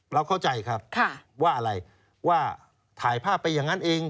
เราเข้าใจครับว่าอะไรว่าถ่ายภาพไปอย่างนั้นเอง